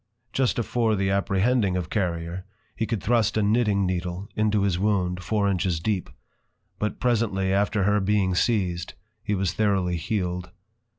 _ Just afore the Apprehending of Carrier, he could thrust a knitting Needle into his wound, four inches deep; but presently after her being siezed, he was throughly healed.